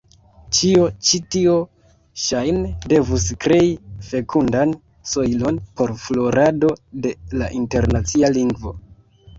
Ĉio ĉi tio, ŝajne, devus krei fekundan sojlon por florado de la internacia lingvo.